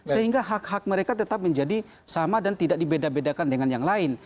sehingga hak hak mereka tetap menjadi sama dan tidak dibeda bedakan dengan yang lain